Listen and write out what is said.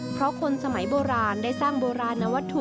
เพราะคนสมัยโบราณได้สร้างโบราณวัตถุ